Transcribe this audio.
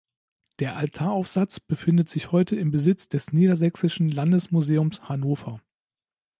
Der Altaraufsatz befindet sich heute im Besitz des Niedersächsischen Landesmuseums Hannover.